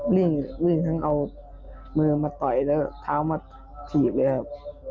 วิ่งวิ่งทั้งเอามือมาต่อยแล้วเท้ามาถีบเลยครับ